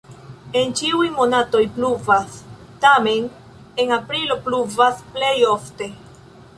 En ĉiuj monatoj pluvas, tamen en aprilo pluvas plej ofte.